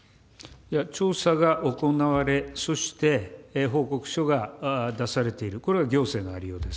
調査が行われ、そして報告書が出されている、これは行政の在りようです。